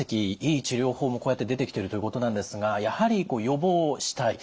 いい治療法もこうやって出てきてるということなんですがやはり予防をしたい。